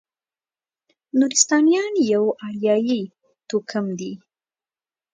نورستانیان یو اریایي توکم دی.